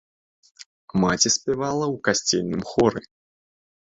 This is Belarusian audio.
Маці спявала ў касцельным хоры.